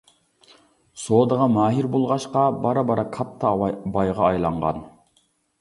سودىغا ماھىر بولغاچقا بارا-بارا كاتتا بايغا ئايلانغان.